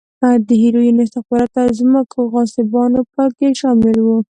د هیروینو، استخباراتو او ځمکو غاصبان په کې شامل و.